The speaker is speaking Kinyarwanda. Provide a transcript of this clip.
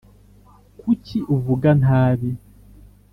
Kuki uvuga ntabi